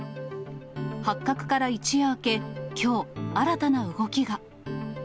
発覚から一夜明け、きょう、新たな動きが。